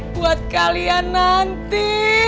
buat kalian nanti